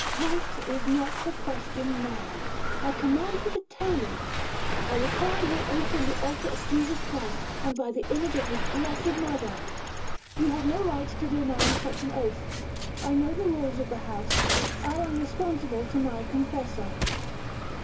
'Right is not the question now. I command you to tell me. I require your oath on the altar of Jesus Christ, and by the image of his blessed Mother.' 'You have no right to demand such an oath. I know the rules of the house—I am responsible to the confessor.'